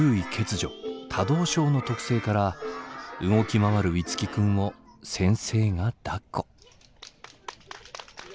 ・多動症の特性から動き回る樹君を先生がだっこ。